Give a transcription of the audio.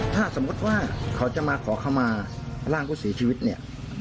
ถ้าสมมติว่าเขามาขอขมาร่างกว่าสีชีวิตนี้